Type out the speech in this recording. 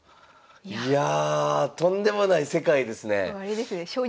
いやとんでもない世界ですね。